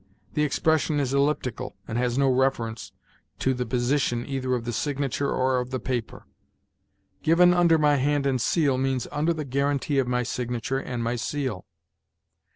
The expression is elliptical, and has no reference to the position either of the signature or of the paper. "Given under my hand and seal" means "under the guarantee of my signature and my seal."